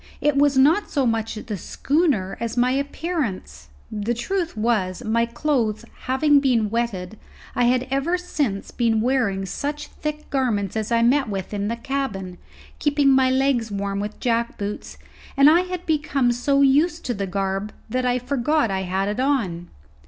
It was not so much the schooner as my appearance. The truth was, my clothes having been wetted, I had ever since been wearing such thick garments as I met with in the cabin, keeping my legs warm with jackboots, and I had become so used to the garb that I forgot I had it on.